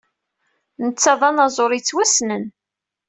Netta d anaẓur yettwassnen.